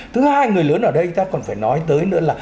thứ hai người lớn ở đây ta còn phải nói tới nữa là